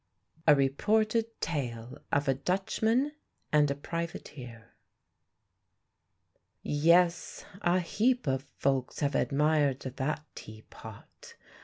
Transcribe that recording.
A REPORTED TALE OF A DUTCHMAN AND A PRIVATEER Yes, a heap of folks have admired that teapot.